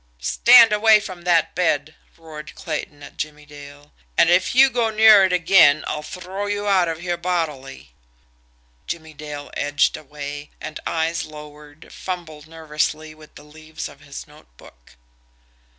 "Stand away from that bed!" roared Clayton at Jimmie Dale. "And if you go near it again, I'll throw you out of here bodily!" Jimmie Dale edged away, and, eyes lowered, fumbled nervously with the leaves of his notebook.